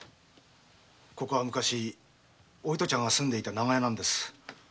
ここは昔お糸ちゃんが住んでいた長屋なんです。